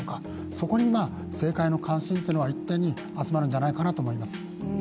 そこに政界の関心というのは一点に集まるんじゃないかと思います。